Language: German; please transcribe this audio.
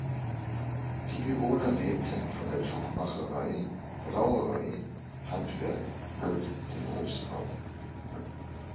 Die Bewohner lebten von der Tuchmacherei, Brauerei, Handwerk und dem Obstbau.